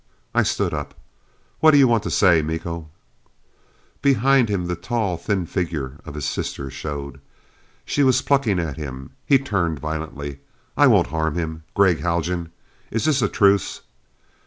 I stood up. "What do you want to say, Miko?" Behind him the tall, thin figure of his sister showed. She was plucking at him. He turned violently. "I won't harm him! Gregg Haljan is this a truce?